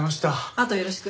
あとよろしく。